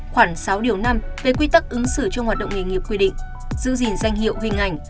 khoảng sáu điều năm về quy tắc ứng xử trong hoạt động nghề nghiệp quy định giữ gìn danh hiệu hình ảnh